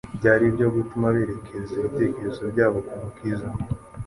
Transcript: Byari ibyo gutuma berekeza ibitekerezo byabo ku Mukiza.